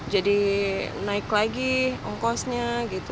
jadi naik lagi ongkosnya gitu